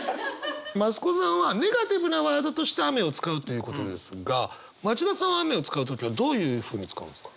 増子さんはネガティブなワードとして雨を使うということですが町田さんは雨を使う時はどういうふうに使うんですか？